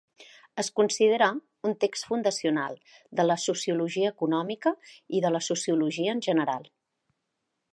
Es considera un text fundacional de la sociologia econòmica i de la sociologia en general.